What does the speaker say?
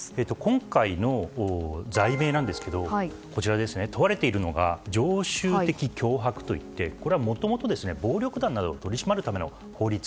今回の罪名なんですけれども問われているのが常習的脅迫といってこれはもともと暴力団などを取り締まるための法律。